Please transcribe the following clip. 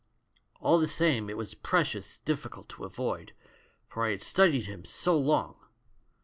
"All the same it was precious difficult to avoid, for I had studied him so long.